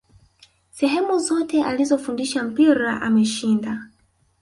sehemu zote alizofundisha mpira ameshinda